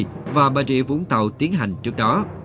trà đã được công an đồng nai và bà rịa vũng tàu tiến hành trước đó